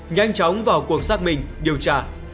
nhanh chóng vào cuộc xác minh điều tra